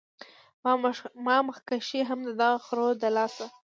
ما مخکښې هم د دغه خرو د لاسه